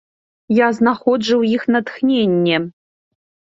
Я знаходжу ў іх натхненне.